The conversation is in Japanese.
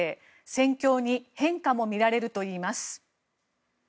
戦況に変化も見られるといいます。